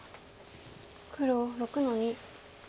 黒６の二。